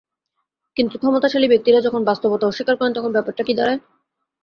কিন্তু ক্ষমতাশালী ব্যক্তিরা যখন বাস্তবতা অস্বীকার করেন, তখন ব্যাপারটা কী দাঁড়ায়?